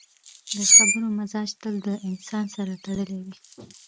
د خبرو مزاج تل د انسان سره تړلی وي